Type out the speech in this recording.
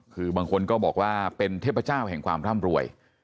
คือบางคนก็บอกว่าเป็นเทพเจ้าแห่งความร่ำรวย